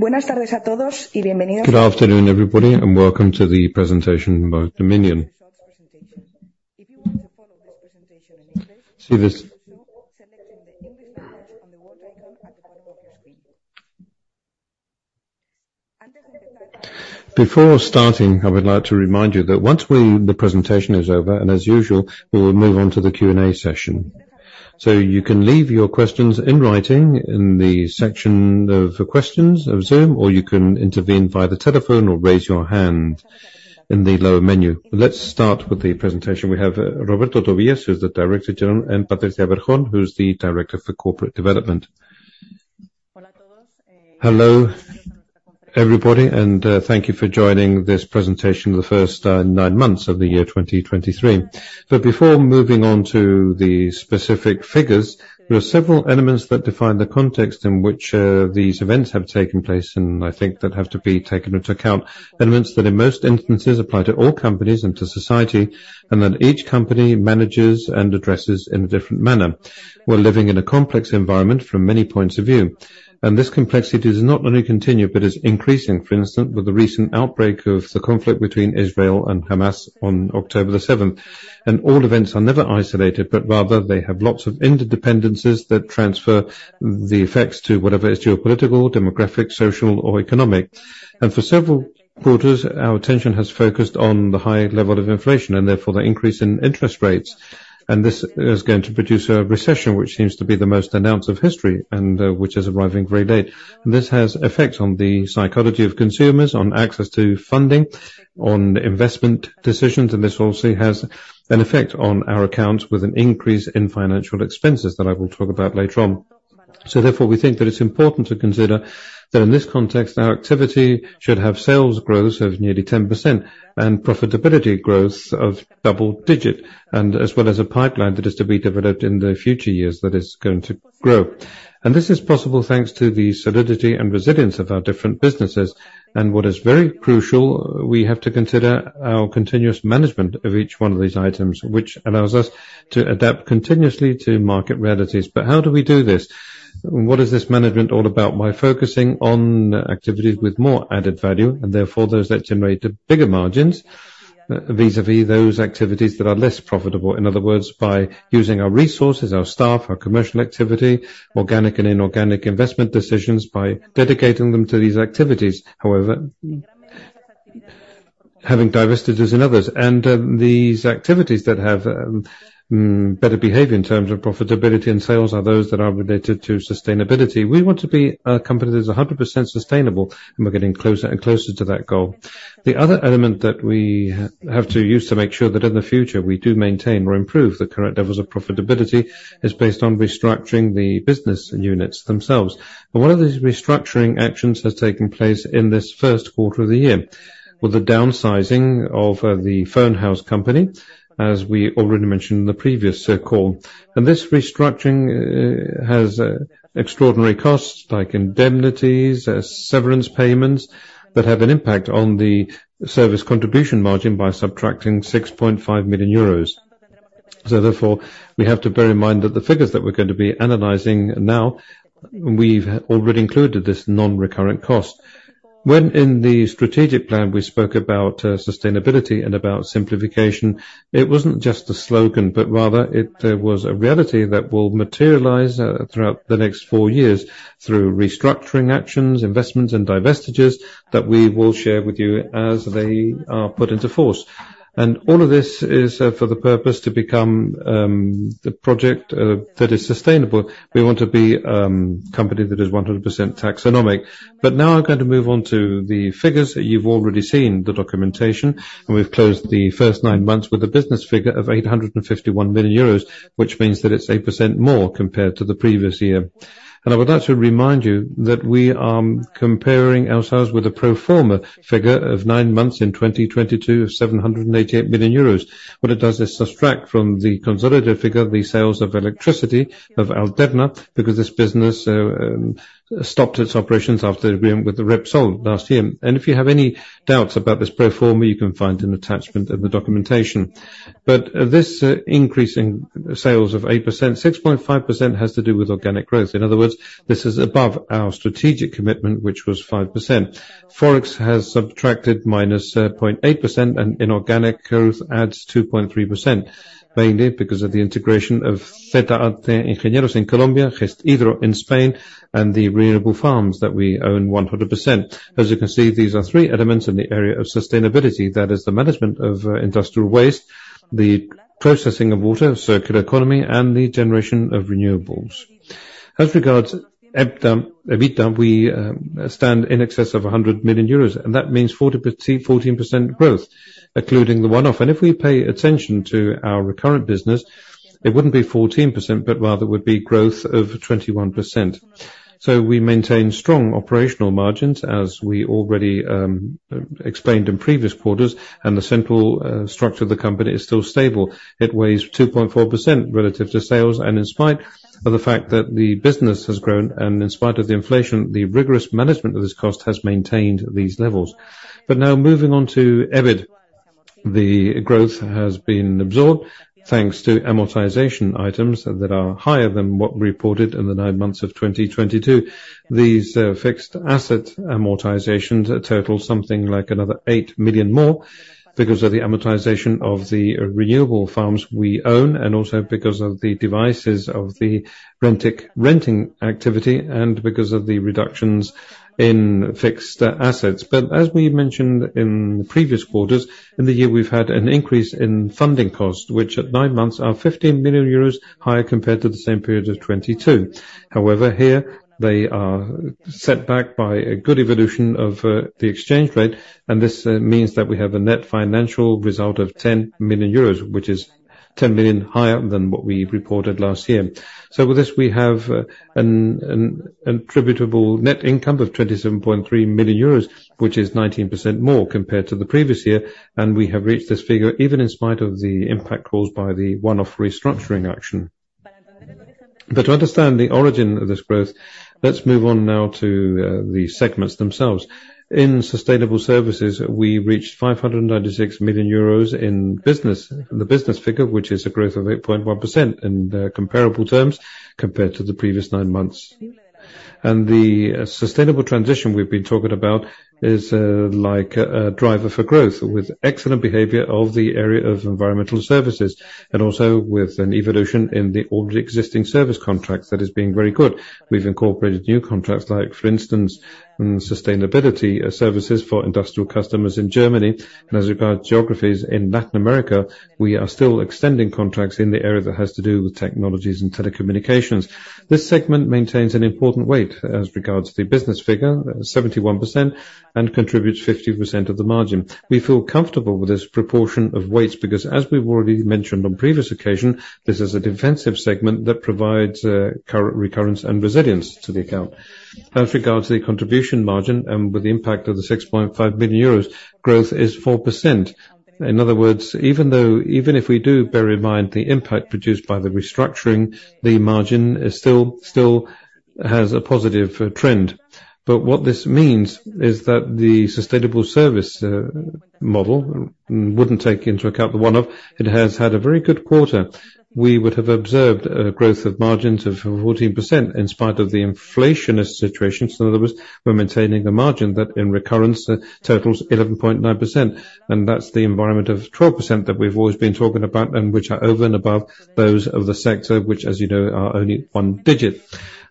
Good afternoon, everybody, and welcome to the presentation about Dominion. Presentation. If you want to follow this presentation in English- See this- Selecting the English language on the world icon at the bottom of your screen. Before starting, I would like to remind you that once the presentation is over, and as usual, we will move on to the Q&A session. So you can leave your questions in writing in the section of questions of Zoom, or you can intervene via the telephone, or raise your hand in the lower menu. Let's start with the presentation. We have Roberto Tobillas, who's the Director General, and Patricia Berjón, who's the Director for Corporate Development. Hola, todos. Hello, everybody, and thank you for joining this presentation, the first nine months of the year 2023. But before moving on to the specific figures, there are several elements that define the context in which these events have taken place, and I think that have to be taken into account. Elements that, in most instances, apply to all companies and to society, and that each company manages and addresses in a different manner. We're living in a complex environment from many points of view, and this complexity does not only continue, but is increasing. For instance, with the recent outbreak of the conflict between Israel and Hamas on October the 7th. And all events are never isolated, but rather they have lots of interdependencies that transfer the effects to whatever is geopolitical, demographic, social, or economic. For several quarters, our attention has focused on the high level of inflation, and therefore the increase in interest rates. This is going to produce a recession, which seems to be the most announced of history and which is arriving very late. This has effect on the psychology of consumers, on access to funding, on investment decisions, and this also has an effect on our accounts, with an increase in financial expenses that I will talk about later on. So therefore, we think that it's important to consider that in this context, our activity should have sales growth of nearly 10% and profitability growth of double digit, and as well as a pipeline that is to be developed in the future years that is going to grow. This is possible thanks to the solidity and resilience of our different businesses. And what is very crucial, we have to consider our continuous management of each one of these items, which allows us to adapt continuously to market realities. But how do we do this? What is this management all about? By focusing on activities with more added value, and therefore, those that generate bigger margins, vis-à-vis those activities that are less profitable. In other words, by using our resources, our staff, our commercial activity, organic and inorganic investment decisions, by dedicating them to these activities, however, having divestitures in others. And, these activities that have, better behavior in terms of profitability and sales, are those that are related to sustainability. We want to be a company that is 100% sustainable, and we're getting closer and closer to that goal. The other element that we have to use to make sure that in the future we do maintain or improve the current levels of profitability, is based on restructuring the business units themselves. One of these restructuring actions has taken place in this first quarter of the year, with the downsizing of the Phone House company, as we already mentioned in the previous circle. And this restructuring has extraordinary costs, like indemnities, severance payments, that have an impact on the service contribution margin by subtracting 6.5 million euros. So therefore, we have to bear in mind that the figures that we're going to be analyzing now, we've already included this non-recurrent cost. When in the strategic plan, we spoke about, sustainability and about simplification, it wasn't just a slogan, but rather it, was a reality that will materialize, throughout the next four years. Through restructuring actions, investments and divestitures, that we will share with you as they are put into force. And all of this is, for the purpose to become, the project, that is sustainable. We want to be, company that is 100% taxonomic. But now I'm going to move on to the figures. You've already seen the documentation, and we've closed the first nine months with a business figure of 851 million euros, which means that it's 8% more compared to the previous year. I would like to remind you that we are comparing ourselves with a pro forma figure of nine months in 2022, of 788 million euros. What it does is subtract from the consolidated figure, the sales of electricity of Alterna, because this business stopped its operations after agreement with Repsol last year. And if you have any doubts about this pro forma, you can find an attachment in the documentation. But, this increasing sales of 8%, 6.5% has to do with organic growth. In other words, this is above our strategic commitment, which was 5%. Forex has subtracted minus 0.8%, and inorganic growth adds 2.3%, mainly because of the integration of Zeta Arte e Ingenieros in Colombia, Gesthidro in Spain, and the renewable farms that we own 100%. As you can see, these are three elements in the area of sustainability. That is the management of industrial waste, the processing of water, circular economy, and the generation of renewables. As regards EBITDA, we stand in excess of 100 million euros, and that means 40%, 14% growth, including the one-off. If we pay attention to our recurrent business, it wouldn't be 14%, but rather would be growth of 21%. So we maintain strong operational margins, as we already explained in previous quarters, and the central structure of the company is still stable. It weighs 2.4% relative to sales, and in spite of the fact that the business has grown, and in spite of the inflation, the rigorous management of this cost has maintained these levels. But now moving on to EBIT. The growth has been absorbed, thanks to amortization items that are higher than what we reported in the nine months of 2022. These, fixed asset amortizations total something like another 8 million more, because of the amortization of the renewable farms we own, and also because of the devices of the Rentik renting activity, and because of the reductions in fixed assets. But as we mentioned in previous quarters, in the year, we've had an increase in funding costs, which at nine months are 15 million euros higher compared to the same period of 2022. However, here they are set back by a good evolution of the exchange rate, and this means that we have a net financial result of 10 million euros, which is 10 million higher than what we reported last year. So with this, we have an attributable net income of 27.3 million euros, which is 19% more compared to the previous year, and we have reached this figure even in spite of the impact caused by the one-off restructuring action. But to understand the origin of this growth, let's move on now to the segments themselves. In sustainable services, we reached 596 million euros in business. The business figure, which is a growth of 8.1% in comparable terms compared to the previous nine months. The sustainable transition we've been talking about is like a driver for growth, with excellent behavior of the area of environmental services, and also with an evolution in the already existing service contracts that is being very good. We've incorporated new contracts, like, for instance, sustainability services for industrial customers in Germany. As regards geographies in Latin America, we are still extending contracts in the area that has to do with technologies and telecommunications. This segment maintains an important weight as regards to the business figure, 71%, and contributes 50% of the margin. We feel comfortable with this proportion of weights, because as we've already mentioned on previous occasion, this is a defensive segment that provides current recurrence and resilience to the account. As regards to the contribution margin and with the impact of the 6.5 million euros, growth is 4%. In other words, even though—even if we do bear in mind the impact produced by the restructuring, the margin is still, still has a positive trend. But what this means is that the sustainable service model, wouldn't take into account the one-off, it has had a very good quarter. We would have observed a growth of margins of 14% in spite of the inflationist situation. So in other words, we're maintaining a margin that in recurrence, totals 11.9%, and that's the environment of 12% that we've always been talking about, and which are over and above those of the sector, which, as you know, are only one digit.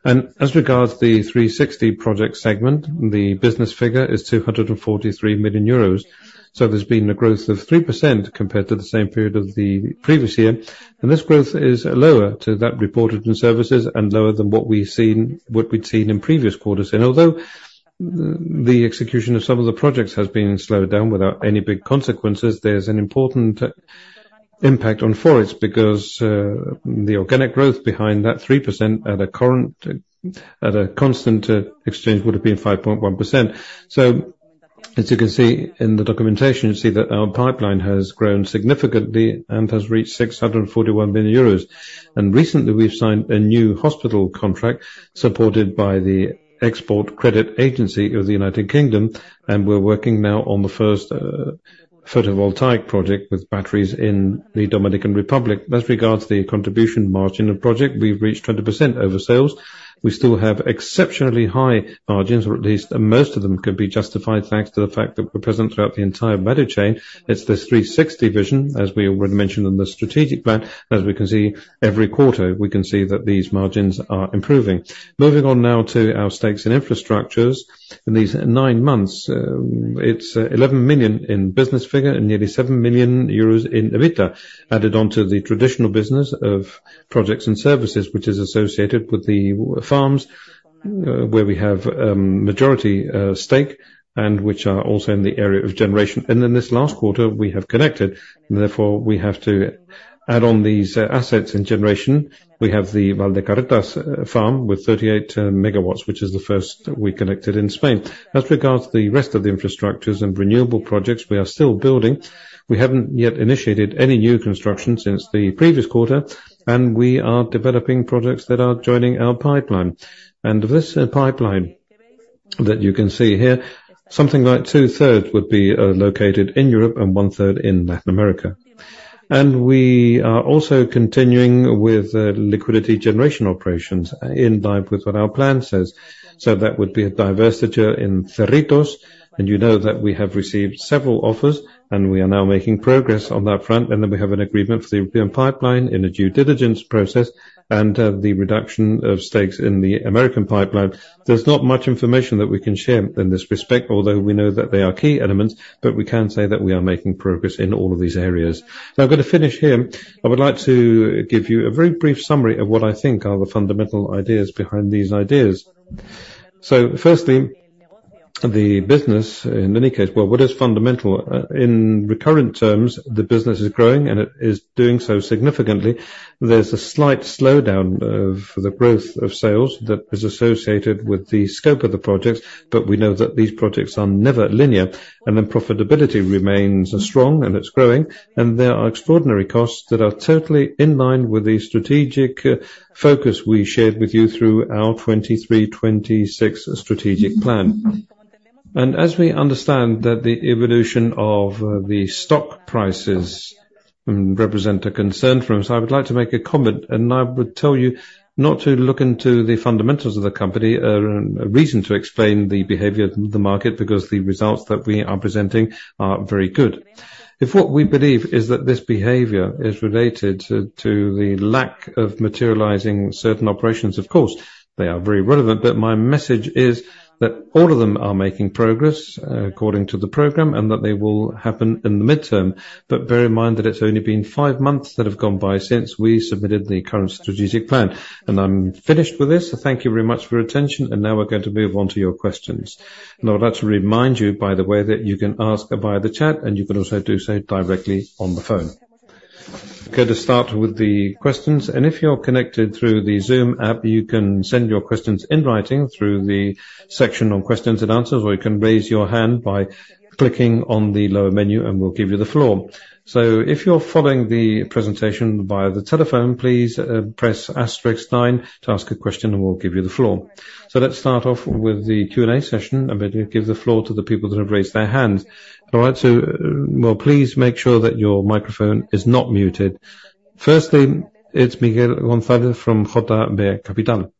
As regards to the 360 project segment, the business figure is 243 million euros. So there's been a growth of 3% compared to the same period of the previous year, and this growth is lower than that reported in services and lower than what we've seen, what we'd seen in previous quarters. Although the execution of some of the projects has been slowed down without any big consequences, there's an important impact on forecasts, because the organic growth behind that 3% at constant exchange would have been 5.1%. So as you can see in the documentation, you see that our pipeline has grown significantly and has reached 641 million euros. And recently, we've signed a new hospital contract, supported by the Export Credit Agency of the United Kingdom, and we're working now on the first photovoltaic project with batteries in the Dominican Republic. As regards to the contribution margin of project, we've reached 20% over sales. We still have exceptionally high margins, or at least most of them can be justified, thanks to the fact that we're present throughout the entire value chain. It's this 360 vision, as we already mentioned in the strategic plan. As we can see, every quarter, we can see that these margins are improving. Moving on now to our stakes in infrastructures. In these nine months, it's 11 million in business figure and nearly 7 million euros in EBITDA, added onto the traditional business of projects and services, which is associated with the farms, where we have majority stake, and which are also in the area of generation. Then this last quarter, we have connected, and therefore, we have to add on these assets in generation. We have the Valdecarretas farm with 38 MW, which is the first that we connected in Spain. As regards to the rest of the infrastructures and renewable projects, we are still building. We haven't yet initiated any new construction since the previous quarter, and we are developing projects that are joining our pipeline. And this pipeline, that you can see here, something like two-thirds would be located in Europe and one-third in Latin America. And we are also continuing with liquidity generation operations in line with what our plan says. So that would be a divestiture in Cerritos, and you know that we have received several offers, and we are now making progress on that front. And then we have an agreement for the European pipeline in a due diligence process and the reduction of stakes in the American pipeline. There's not much information that we can share in this respect, although we know that they are key elements, but we can say that we are making progress in all of these areas. Now, I'm going to finish here. I would like to give you a very brief summary of what I think are the fundamental ideas behind these ideas. So firstly, the business, in any case... Well, what is fundamental? In recurrent terms, the business is growing, and it is doing so significantly. There's a slight slowdown of the growth of sales that is associated with the scope of the projects, but we know that these projects are never linear, and then profitability remains strong, and it's growing, and there are extraordinary costs that are totally in line with the strategic focus we shared with you through our 2023-2026 strategic plan. As we understand that the evolution of the stock prices represent a concern for us, I would like to make a comment, and I would tell you not to look into the fundamentals of the company as a reason to explain the behavior of the market, because the results that we are presenting are very good. If what we believe is that this behavior is related to the lack of materializing certain operations, of course, they are very relevant, but my message is that all of them are making progress according to the program, and that they will happen in the midterm. But bear in mind that it's only been five months that have gone by since we submitted the current strategic plan. And I'm finished with this. Thank you very much for your attention, and now we're going to move on to your questions. And I would like to remind you, by the way, that you can ask by the chat, and you can also do so directly on the phone. Okay, to start with the questions, and if you're connected through the Zoom app, you can send your questions in writing through the section on questions and answers, or you can raise your hand by clicking on the lower menu, and we'll give you the floor. So if you're following the presentation via the telephone, please, press asterisk nine to ask a question, and we'll give you the floor. So let's start off with the Q&A session. I'm going to give the floor to the people that have raised their hands. All right, so, well, please make sure that your microphone is not muted. Firstly, it's Miguel González from JB Capital.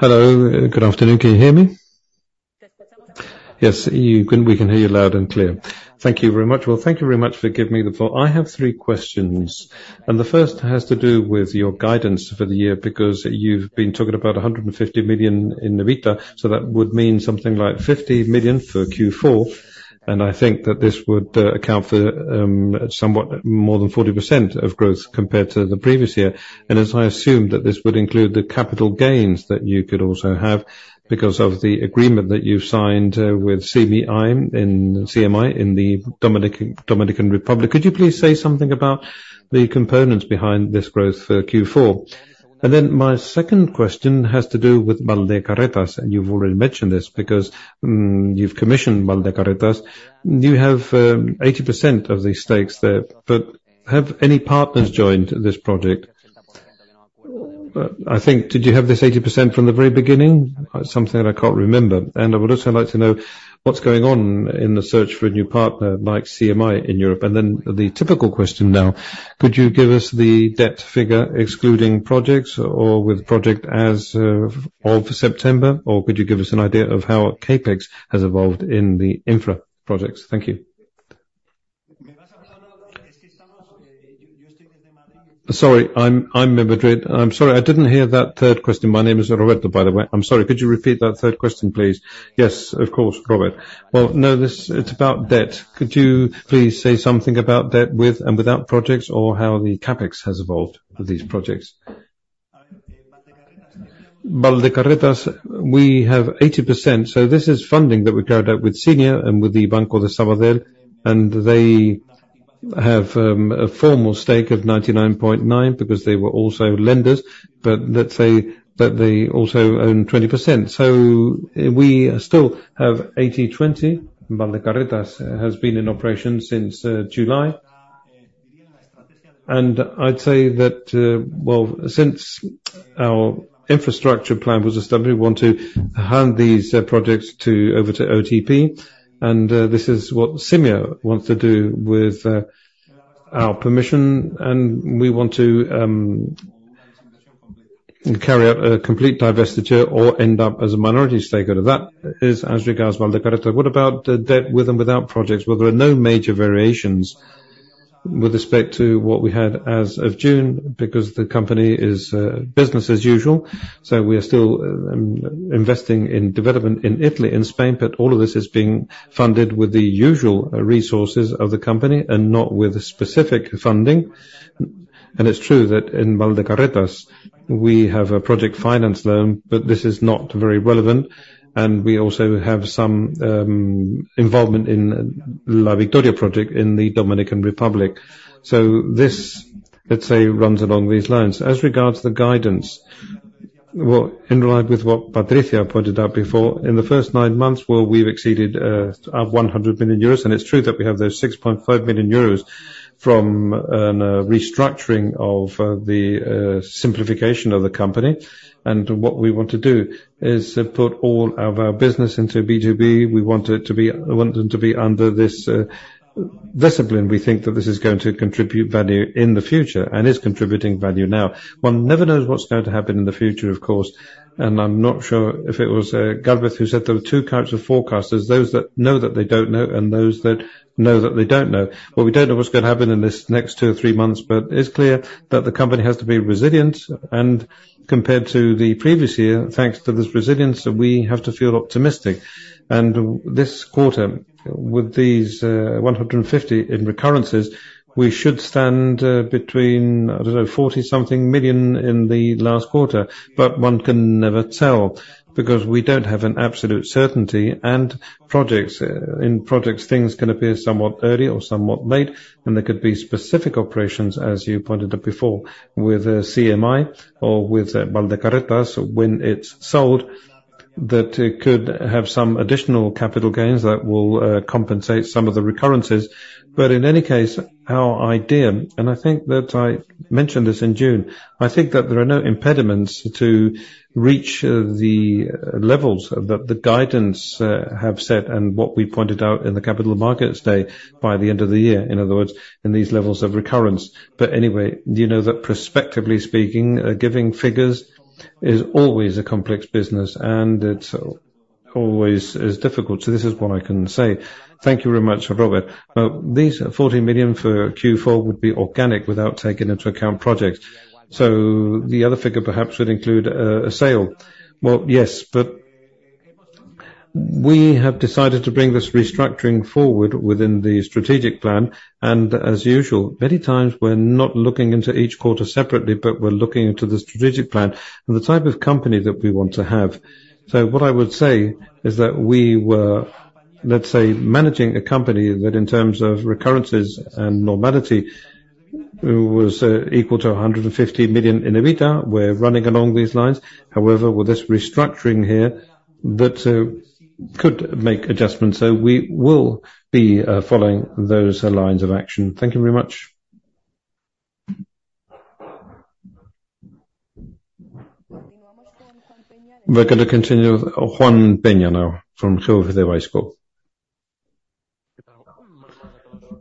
Hello, good afternoon. Can you hear me? Yes, you can. We can hear you loud and clear. Thank you very much. Well, thank you very much for giving me the floor. I have three questions, and the first has to do with your guidance for the year, because you've been talking about 150 million in the EBITDA, so that would mean something like 50 million for Q4, and I think that this would account for somewhat more than 40% of growth compared to the previous year. And as I assumed, that this would include the capital gains that you could also have because of the agreement that you've signed with CMI in the Dominican Republic. Could you please say something about the components behind this growth for Q4? And then my second question has to do with Valdecarretas, and you've already mentioned this because you've commissioned Valdecarretas. You have 80% of the stakes there, but have any partners joined this project? I think, did you have this 80% from the very beginning? Something I can't remember. And I would also like to know what's going on in the search for a new partner like CMI in Europe. And then the typical question now, could you give us the debt figure, excluding projects or with project as of September? Or could you give us an idea of how CapEx has evolved in the infra projects? Thank you. Sorry, I'm in Madrid. I'm sorry, I didn't hear that third question. My name is Roberto, by the way. I'm sorry, could you repeat that third question, please? Yes, of course, Robert. Well, no, this, it's about debt. Could you please say something about debt with and without projects, or how the CapEx has evolved with these projects? Valdecarretas, we have 80%, so this is funding that we carried out with Santander and with the Banco Sabadell, and they have a formal stake of 99.9, because they were also lenders. But let's say that they also own 20%. So we still have 80/20. Valdecarretas has been in operation since July. I'd say that, well, since our infrastructure plan was established, we want to hand these projects over to OTP, and this is what CMI wants to do with our permission, and we want to carry out a complete divestiture or end up as a minority stake out of that. That is as regards Valdecarretas. What about the debt with and without projects? Well, there are no major variations with respect to what we had as of June, because the company is business as usual, so we are still investing in development in Italy and Spain, but all of this is being funded with the usual resources of the company and not with specific funding. And it's true that in Valdecarretas, we have a project finance loan, but this is not very relevant, and we also have some involvement in La Victoria project in the Dominican Republic. So this, let's say, runs along these lines. As regards to the guidance, well, in line with what Patricia pointed out before, in the first nine months, well, we've exceeded 100 million euros, and it's true that we have those 6.5 million euros from a restructuring of the simplification of the company. And what we want to do is put all of our business into B2B. We want it to be—want them to be under this discipline. We think that this is going to contribute value in the future and is contributing value now. One never knows what's going to happen in the future, of course, and I'm not sure if it was Galbraith who said there were two kinds of forecasters, those that know that they don't know and those that know that they don't know. Well, we don't know what's going to happen in this next two or three months, but it's clear that the company has to be resilient. And compared to the previous year, thanks to this resilience, we have to feel optimistic. And this quarter, with these 150 in recurrences, we should stand between, I don't know, 40-something million in the last quarter, but one can never tell, because we don't have an absolute certainty. And projects, in projects, things can appear somewhat early or somewhat late, and there could be specific operations, as you pointed out before, with CMI or with Valdecarretas when it's sold... that it could have some additional capital gains that will compensate some of the recurrences. But in any case, our idea, and I think that I mentioned this in June, I think that there are no impediments to reach the levels that the guidance have set and what we pointed out in the capital markets day by the end of the year, in other words, in these levels of recurrence. But anyway, you know that prospectively speaking, giving figures is always a complex business, and it's always as difficult. So this is what I can say. Thank you very much, Robert. These 40 million for Q4 would be organic without taking into account projects. So the other figure perhaps would include a sale? Well, yes, but we have decided to bring this restructuring forward within the strategic plan, and as usual, many times we're not looking into each quarter separately, but we're looking into the strategic plan and the type of company that we want to have. So what I would say is that we were, let's say, managing a company that in terms of recurrences and normality, was equal to 150 million in EBITDA. We're running along these lines. However, with this restructuring here, that could make adjustments. So we will be following those lines of action. Thank you very much. We're going to continue with Juan Peña now from GVC Gaesco.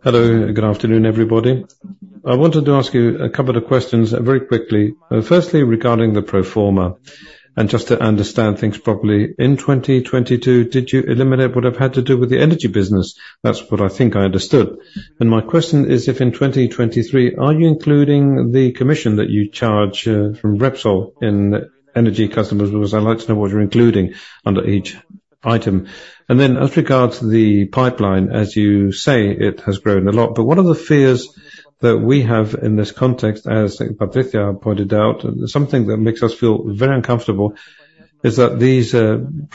Hello, good afternoon, everybody. I wanted to ask you a couple of questions very quickly. Firstly, regarding the pro forma, and just to understand things properly, in 2022, did you eliminate what I've had to do with the energy business? That's what I think I understood. And my question is, if in 2023, are you including the commission that you charge from Repsol in energy customers? Because I'd like to know what you're including under each item. And then as regards to the pipeline, as you say, it has grown a lot, but one of the fears that we have in this context, as Patricia pointed out, something that makes us feel very uncomfortable is that these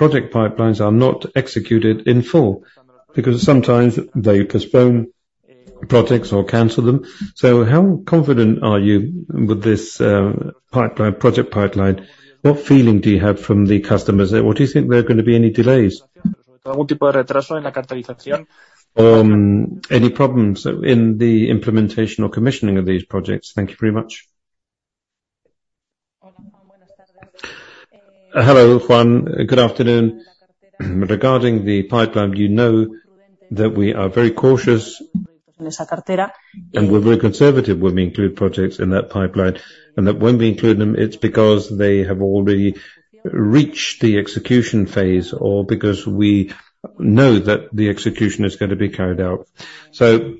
project pipelines are not executed in full, because sometimes they postpone projects or cancel them. So how confident are you with this pipeline, project pipeline? What feeling do you have from the customers? What do you think there are going to be any delays? Any problems in the implementation or commissioning of these projects? Thank you very much. Hello, Juan. Good afternoon. Regarding the pipeline, you know that we are very cautious, and we're very conservative when we include projects in that pipeline, and that when we include them, it's because they have already reached the execution phase or because we know that the execution is going to be carried out. So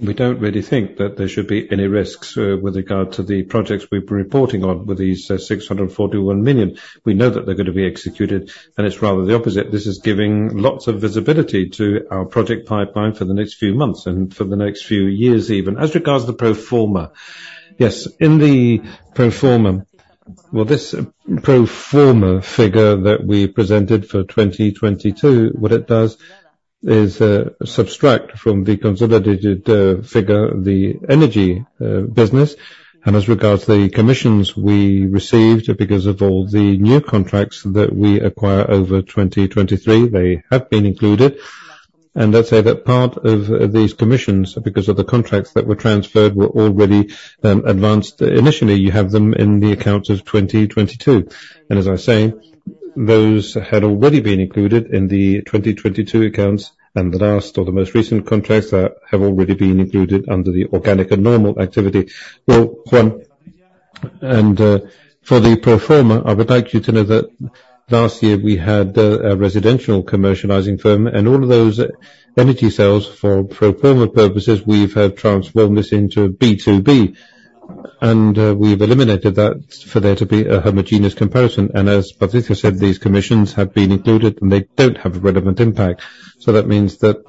we don't really think that there should be any risks with regard to the projects we've been reporting on with these 641 million. We know that they're going to be executed, and it's rather the opposite. This is giving lots of visibility to our project pipeline for the next few months and for the next few years, even. As regards to the pro forma. Yes, in the pro forma. Well, this pro forma figure that we presented for 2022, what it does is subtract from the consolidated figure, the energy business. As regards to the commissions we received, because of all the new contracts that we acquire over 2023, they have been included. And let's say that part of these commissions, because of the contracts that were transferred, were already advanced. Initially, you have them in the accounts of 2022. And as I say, those had already been included in the 2022 accounts, and the last or the most recent contracts that have already been included under the organic and normal activity. Well, Juan, and, for the pro forma, I would like you to know that last year we had, a residential commercializing firm, and all of those energy sales for pro forma purposes, we've have transformed this into B2B, and, we've eliminated that for there to be a homogeneous comparison. As Patricia said, these commissions have been included, and they don't have a relevant impact. That means that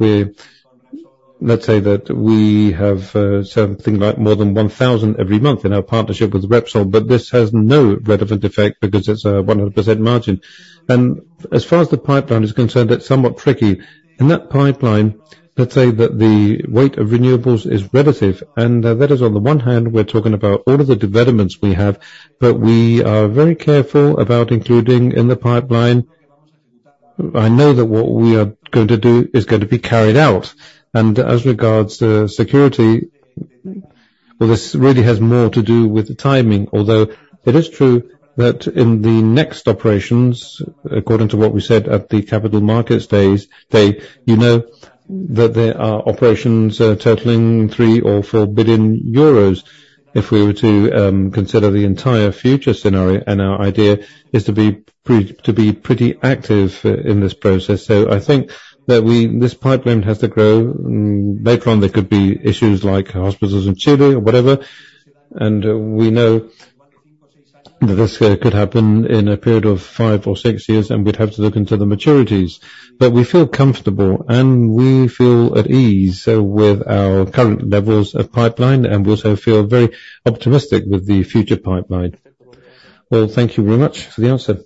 we—let's say that we have something like more than 1,000 every month in our partnership with Repsol, but this has no relevant effect because it's a 100% margin. As far as the pipeline is concerned, it's somewhat tricky. In that pipeline, let's say that the weight of renewables is relative, and that is, on the one hand, we're talking about all of the developments we have, but we are very careful about including in the pipeline. I know that what we are going to do is going to be carried out. As regards to security, well, this really has more to do with the timing, although it is true that in the next operations, according to what we said at the capital markets days, they, you know that there are operations totaling 3 billion or 4 billion euros if we were to consider the entire future scenario, and our idea is to be pretty active in this process. So I think that we, this pipeline has to grow. Later on, there could be issues like hospitals in Chile or whatever, and we know that this could happen in a period of five or six years, and we'd have to look into the maturities. But we feel comfortable, and we feel at ease, so with our current levels of pipeline, and we also feel very optimistic with the future pipeline. Well, thank you very much for the answer.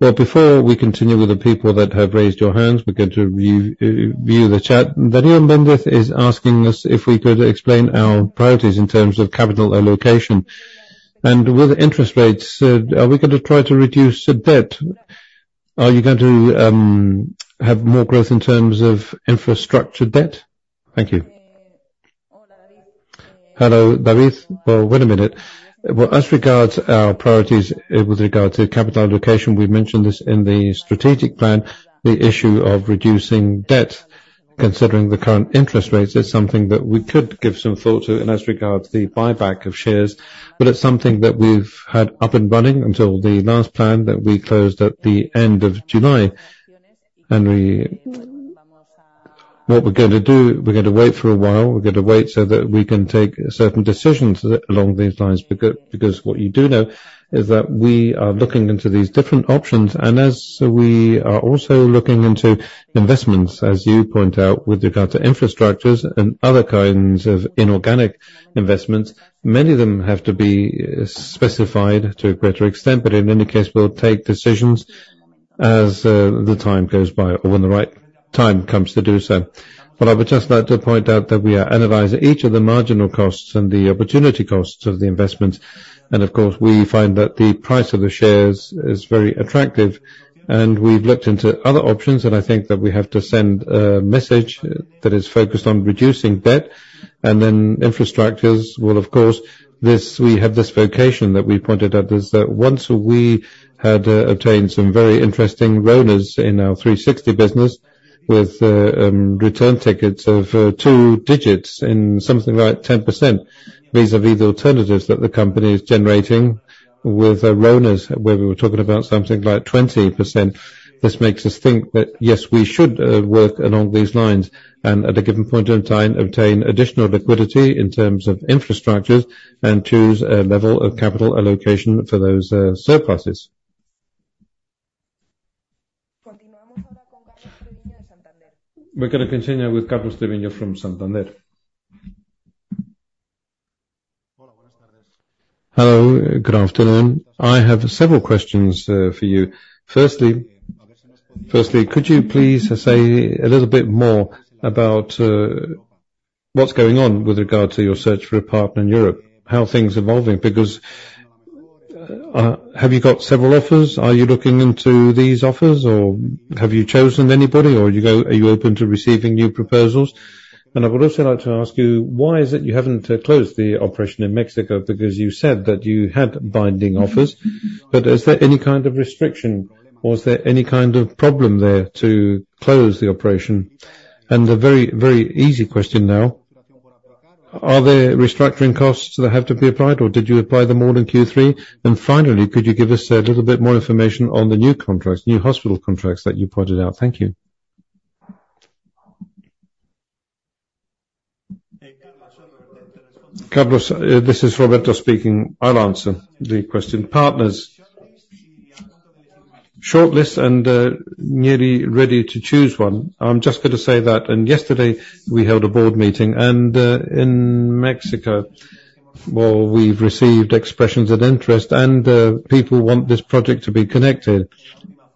Well, before we continue with the people that have raised your hands, we're going to review the chat. Daniel Mendes is asking us if we could explain our priorities in terms of capital allocation. And with interest rates, are we going to try to reduce the debt? Are you going to have more growth in terms of infrastructure debt? Thank you. Hello, David. Well, wait a minute. Well, as regards our priorities with regard to capital allocation, we've mentioned this in the strategic plan, the issue of reducing debt, considering the current interest rates, is something that we could give some thought to, and as regards to the buyback of shares, but it's something that we've had up and running until the last plan that we closed at the end of July. What we're going to do, we're going to wait for a while. We're going to wait so that we can take certain decisions along these lines, because what you do know is that we are looking into these different options, and as we are also looking into investments, as you point out, with regard to infrastructures and other kinds of inorganic investments, many of them have to be specified to a greater extent, but in any case, we'll take decisions as the time goes by or when the right time comes to do so. I would just like to point out that we are analyzing each of the marginal costs and the opportunity costs of the investment. And of course, we find that the price of the shares is very attractive, and we've looked into other options, and I think that we have to send a message that is focused on reducing debt. And then infrastructures will, of course, this—we have this vocation that we pointed at, is that once we had obtained some very interesting owners in our 360 business, with return targets of two digits in something like 10%. These are the alternatives that the company is generating with owners, where we were talking about something like 20%. This makes us think that, yes, we should work along these lines, and at a given point in time, obtain additional liquidity in terms of infrastructures and choose a level of capital allocation for those surpluses. We're gonna continue with Carlos Treviño from Santander. Hello, good afternoon. I have several questions for you. Firstly, could you please say a little bit more about what's going on with regard to your search for a partner in Europe? How are things evolving, because have you got several offers? Are you looking into these offers, or have you chosen anybody, or are you open to receiving new proposals? And I would also like to ask you, why is it you haven't closed the operation in Mexico? Because you said that you had binding offers. But is there any kind of restriction, or is there any kind of problem there to close the operation? And the very, very easy question now, are there restructuring costs that have to be applied, or did you apply them all in Q3? And finally, could you give us a little bit more information on the new contracts, new hospital contracts that you pointed out? Thank you. Carlos, this is Roberto speaking. I'll answer the question. Partners. Shortlist and nearly ready to choose one. I'm just going to say that, and yesterday, we held a board meeting, and in Mexico, well, we've received expressions of interest, and people want this project to be connected.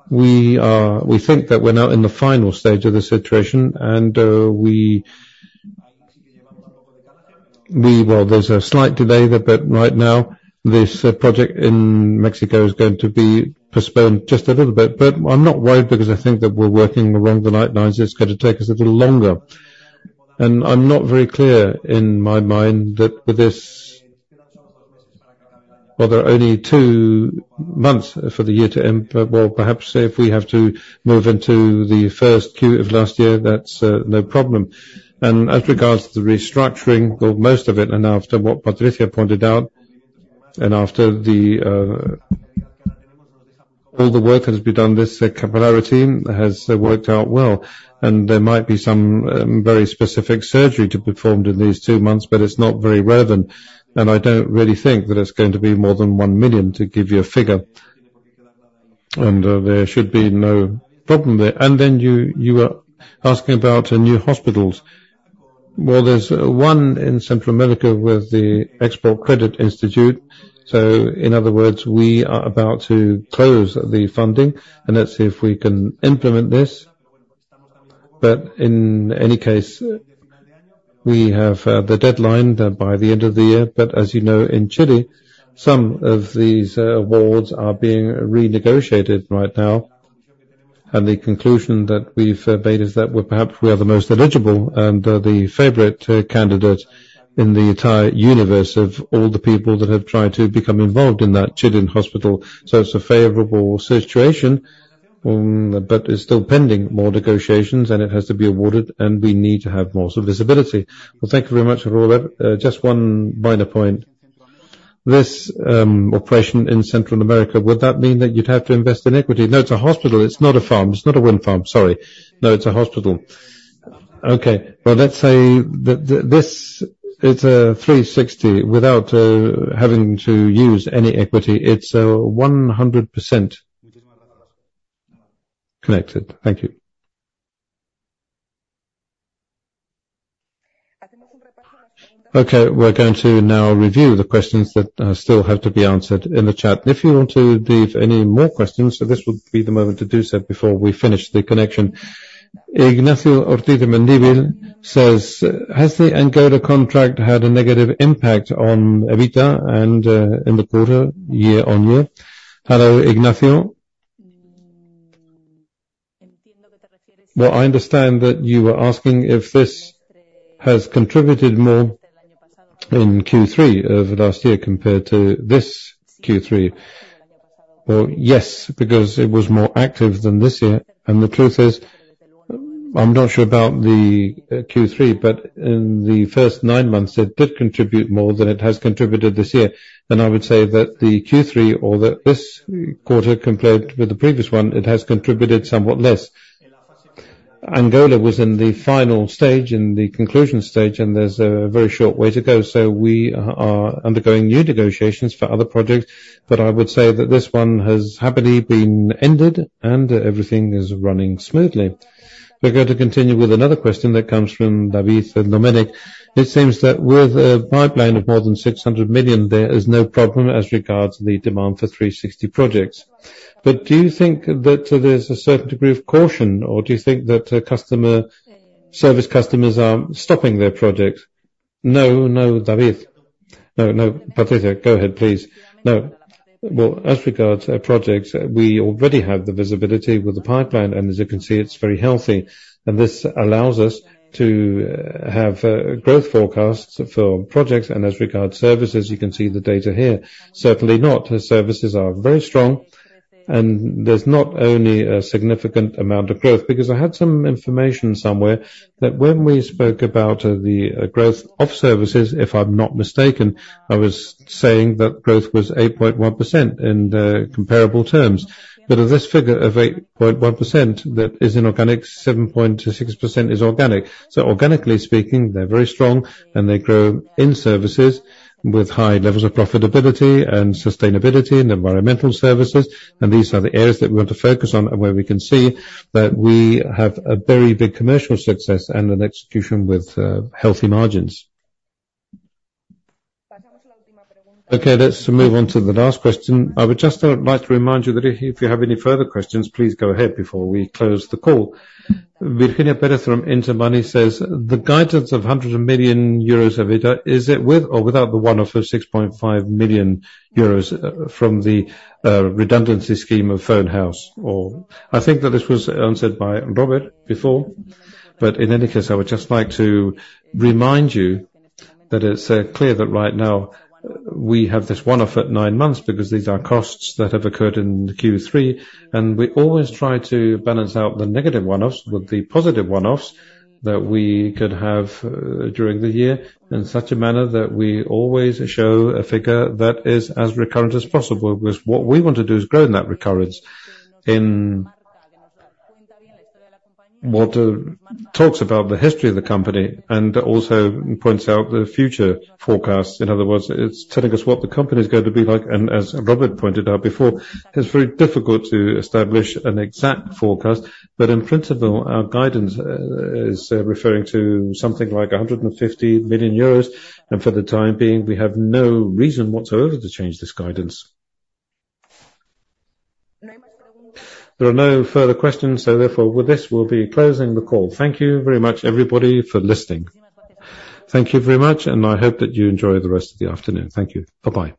We are, we think that we're now in the final stage of the situation, and we... Well, there's a slight delay there, but right now, this project in Mexico is going to be postponed just a little bit. But I'm not worried because I think that we're working around the right lines. It's gonna take us a little longer. I'm not very clear in my mind that with this, well, there are only two months for the year to end. Well, perhaps if we have to move into the first Q of last year, that's no problem. And as regards to the restructuring, or most of it, and after what Patricia pointed out, and after the all the work has been done, this capillarity has worked out well. And there might be some very specific surgery to be performed in these two months, but it's not very relevant, and I don't really think that it's going to be more than 1 million, to give you a figure. And there should be no problem there. And then you were asking about new hospitals. Well, there's one in Central America with the Export Credit Agency. So in other words, we are about to close the funding, and let's see if we can implement this. But in any case, we have the deadline by the end of the year. But as you know, in Chile, some of these awards are being renegotiated right now, and the conclusion that we've made is that we're perhaps we are the most eligible and the favorite candidate in the entire universe of all the people that have tried to become involved in that Chilean hospital. So it's a favorable situation, but it's still pending more negotiations, and it has to be awarded, and we need to have more so visibility. Well, thank you very much for all that. Just one minor point. This operation in Central America, would that mean that you'd have to invest in equity? No, it's a hospital. It's not a farm. It's not a wind farm, sorry. No, it's a hospital. Okay, but let's say that the, this, it's a three sixty, without, having to use any equity, it's, one hundred percent connected. Thank you.... Okay, we're going to now review the questions that, still have to be answered in the chat. And if you want to leave any more questions, so this would be the moment to do so before we finish the connection. Ignacio Ortiz de Mendíbil says, "Has the Angola contract had a negative impact on EBITDA and, in the quarter, year on year?" Hello, Ignacio. Well, I understand that you were asking if this has contributed more in Q3 of last year compared to this Q3. Well, yes, because it was more active than this year. The truth is, I'm not sure about the Q3, but in the first nine months, it did contribute more than it has contributed this year. I would say that the Q3 or that this quarter, compared with the previous one, it has contributed somewhat less. Angola was in the final stage, in the conclusion stage, and there's a very short way to go. So we are undergoing new negotiations for other projects, but I would say that this one has happily been ended, and everything is running smoothly. We're going to continue with another question that comes from David Dominic: "It seems that with a pipeline of more than 600 million, there is no problem as regards to the demand for 360 projects. But do you think that there's a certain degree of caution, or do you think that customer service customers are stopping their projects? No, no, David. No, no, Patricia, go ahead, please. No. Well, as regards to our projects, we already have the visibility with the pipeline, and as you can see, it's very healthy. And this allows us to have growth forecasts for projects, and as regards services, you can see the data here. Certainly not. The services are very strong, and there's not only a significant amount of growth. Because I had some information somewhere that when we spoke about the growth of services, if I'm not mistaken, I was saying that growth was 8.1% in comparable terms. But of this figure of 8.1%, that is inorganic, 7.6% is organic. So organically speaking, they're very strong, and they grow in services with high levels of profitability and sustainability in environmental services, and these are the areas that we want to focus on and where we can see that we have a very big commercial success and an execution with healthy margins. Okay, let's move on to the last question. I would just like to remind you that if you have any further questions, please go ahead before we close the call. Virginia Pérez from Intermoney says, "The guidance of 100 million euros of EBITDA, is it with or without the one-off of 6.5 million euros from the redundancy scheme of Phone House, or? I think that this was answered by Robert before, but in any case, I would just like to remind you that it's clear that right now we have this one-off at nine months because these are costs that have occurred in Q3, and we always try to balance out the negative one-offs with the positive one-offs that we could have during the year, in such a manner that we always show a figure that is as recurrent as possible, because what we want to do is grow in that recurrence. In... Marta talks about the history of the company and also points out the future forecasts. In other words, it's telling us what the company is going to be like, and as Robert pointed out before, it's very difficult to establish an exact forecast. But in principle, our guidance is referring to something like 150 million euros, and for the time being, we have no reason whatsoever to change this guidance. There are no further questions, so therefore, with this, we'll be closing the call. Thank you very much, everybody, for listening. Thank you very much, and I hope that you enjoy the rest of the afternoon. Thank you. Bye-bye.